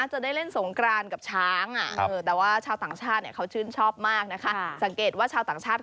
หลบทางไหนก็เปียกคือเปียกหมดทั้งไป